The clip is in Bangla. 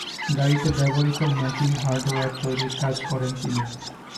গাড়িতে ব্যবহৃত ম্যাপিং হার্ডওয়্যার তৈরির কাজ করেন তিনি।